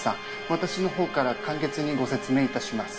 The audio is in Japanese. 私のほうから簡潔にご説明いたします。